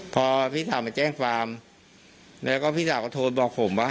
พอพี่สาวมาแจ้งความแล้วก็พี่สาวก็โทรบอกผมว่า